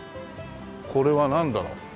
これはなんだろう？